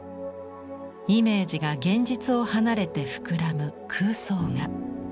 イメージが現実を離れて膨らむ空想画。